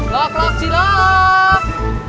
lak lak silak